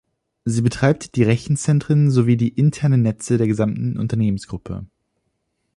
Sie betreibt die Rechenzentren sowie die internen Netze der gesamten Unternehmensgruppe.